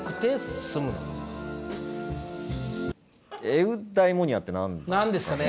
エウダイモニアって何なんですかね？